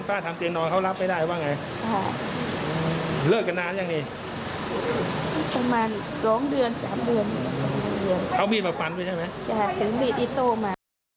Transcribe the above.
เอามีดมาปันด้วยใช่ไหมจ้ะถึงมีดอิตโตมา